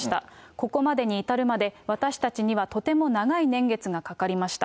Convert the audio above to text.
ここまでに至るまで、私たちにはとても長い年月がかかりました。